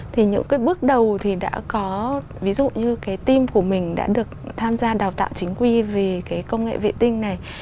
thì những cái bước đầu thì đã có ví dụ như cái team của mình đã được tham gia đào tạo chính quy về cái công nghệ vệ tinh này